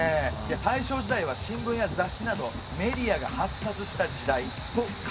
大正時代は新聞や雑誌などメディアが発達した時代と書いてありますね。